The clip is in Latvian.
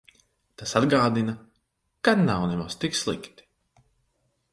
Tas atgādina, ka nav nemaz tik slikti.